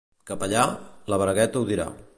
Capellà? La bragueta ho dirà.